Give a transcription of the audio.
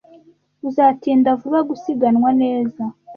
Uzatinda vuba gusiganwa neza.